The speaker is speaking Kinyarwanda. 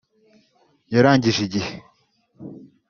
yarangije igihe